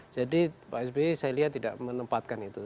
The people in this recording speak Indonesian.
jadi pak sbi saya lihat tidak menempatkan itu